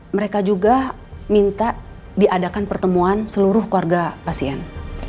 mereka juga minta diadakan pertemuan seluruh keluarga pasien